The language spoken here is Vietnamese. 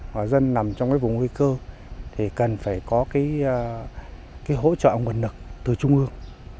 và dân nằm trong cái vùng nguy cơ thì cần phải có cái hỗ trợ nguồn nực từ trung ương